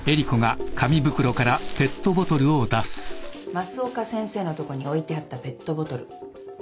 増岡先生のとこに置いてあったペットボトル。